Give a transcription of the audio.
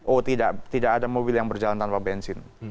oh tidak ada mobil yang berjalan tanpa bensin